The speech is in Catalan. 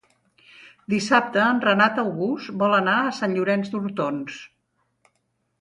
Dissabte en Renat August vol anar a Sant Llorenç d'Hortons.